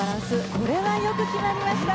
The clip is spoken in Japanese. これはよく決まりました！